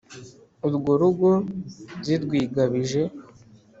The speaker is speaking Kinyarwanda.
Urwo rugo zirwigabije